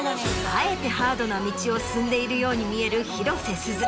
あえてハードな道を進んでいるように見える広瀬すず。